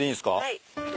はい。